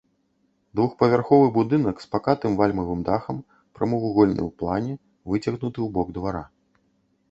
Двухпавярховы будынак з пакатым вальмавым дахам, прамавугольны ў плане, выцягнуты ў бок двара.